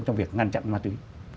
trong việc ngăn chặn ma túy